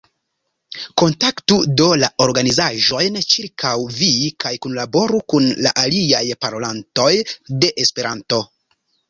Kontaktu, do, la organizaĵojn ĉirkaŭ vi kaj kunlaboru kun la aliaj parolantoj de Esperanto.